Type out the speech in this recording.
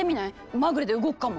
まぐれで動くかも。